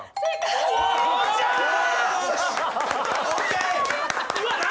おい！